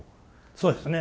そうですね。